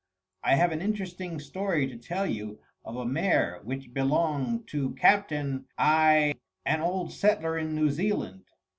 I have an interesting story to tell you of a mare which belonged to Captain I , an old settler in New Zealand.